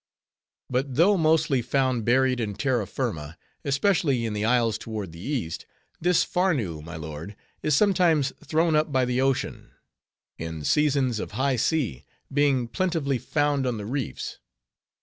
But though mostly found buried in terra firma, especially in the isles toward the East, this Farnoo, my lord, is sometimes thrown up by the ocean; in seasons of high sea, being plentifully found on the reefs.